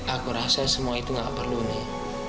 aku rasa semua itu gak perlu nih